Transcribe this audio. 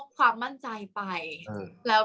กากตัวทำอะไรบ้างอยู่ตรงนี้คนเดียว